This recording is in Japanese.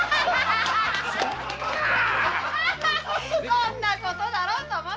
そんなことだろうと思ったよ。